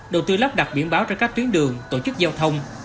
đầu tư lắp đặt biển báo cho các tuyến đường tổ chức giao thông